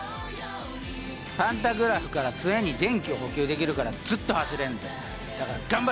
パンタグラフから常に電気を補給できるからずっと走れんねん！